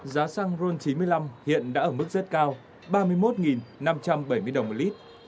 giá xăng ron chín mươi năm hiện đã ở mức rất cao ba mươi một năm trăm bảy mươi đồng một lít